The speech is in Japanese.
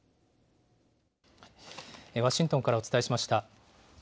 ワシントンからお伝えしました。